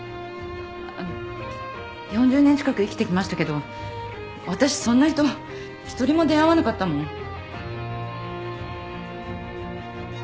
あの４０年近く生きてきましたけど私そんな人一人も出会わなかったもん。